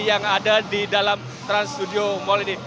yang ada di dalam trans studio mall ini